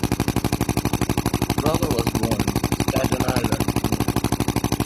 Grauer was born in Staten Island, New York.